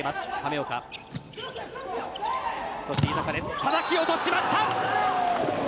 たたき落としました。